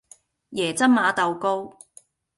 椰汁馬豆糕